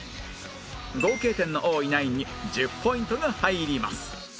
合計点の多いナインに１０ポイントが入ります